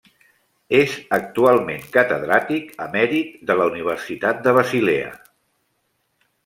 És actualment catedràtic emèrit de la Universitat de Basilea.